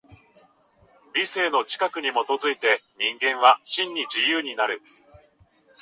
理性の自覚に基づいて人間は真に自由になる。